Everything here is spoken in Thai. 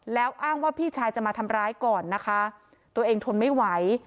แล้วอ้างว่าพี่ชายจะมาทำร้ายก่อนนะคะตัวเองทนไม่ไหว